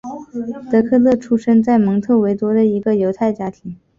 德克勒出生在蒙特维多的一个犹太家庭。